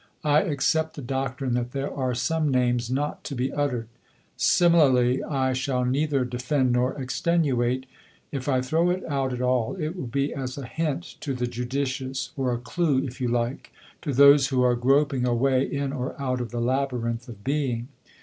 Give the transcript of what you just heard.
I accept the doctrine that there are some names not to be uttered. Similarly I shall neither defend nor extenuate; if I throw it out at all it will be as a hint to the judicious, or a clew, if you like, to those who are groping a way in or out of the labyrinth of Being.